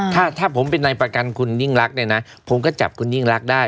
ถ้าผมเป็นนายประกันคุณยิ่งรักผมก็จับคุณยิ่งรักได้